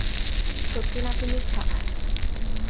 সত্যি না কি মিথ্যা?